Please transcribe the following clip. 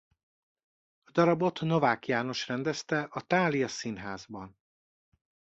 A darabot Novák János rendezte a Thália Színházban.